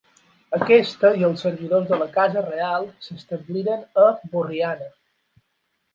Aquesta i els servidors de la casa reial s'establiren a Borriana.